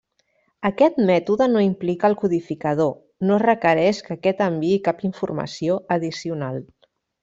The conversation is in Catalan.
Aquest mètode no implica el codificador, no es requereix que aquest enviï cap informació addicional.